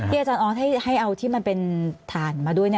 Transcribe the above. อาจารย์ออสให้เอาที่มันเป็นฐานมาด้วย